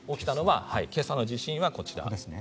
今朝の地震はこちらです。